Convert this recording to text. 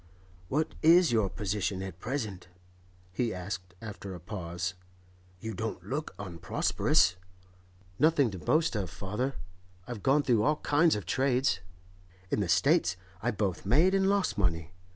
'What is your position, at present?' he asked, after a pause. 'You don't look unprosperous.' 'Nothing to boast of, father. I've gone through all kinds of trades. In the States I both made and lost money.